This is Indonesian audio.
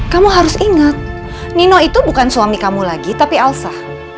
kamu harus ingat nino itu bukan suami kamu lagi tapi alsa